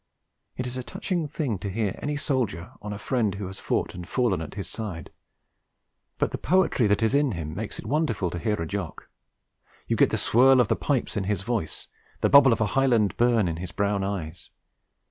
It is a touching thing to hear any soldier on a friend who has fought and fallen at his side; but the poetry that is in him makes it wonderful to hear a Jock; you get the swirl of the pipes in his voice, the bubble of a Highland burn in his brown eyes.